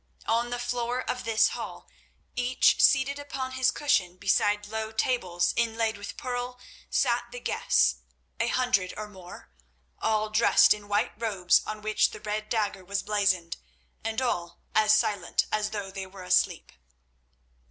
On the floor of this hall, each seated upon his cushion beside low tables inlaid with pearl sat the guests, a hundred or more, all dressed in white robes on which the red dagger was blazoned, and all as silent as though they were asleep.